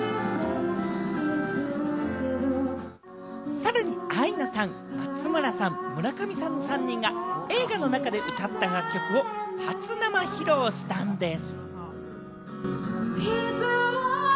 さらにアイナさん、松村さん、村上さんの３人が映画の中で歌った楽曲を初生披露したんです。